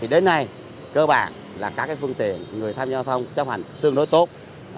đến nay cơ bản là các phương tiện người tham gia giao thông chấp hành tương đối tốt